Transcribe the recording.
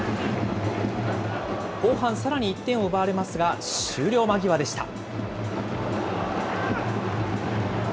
後半さらに１点を奪われますが、終了間際でした。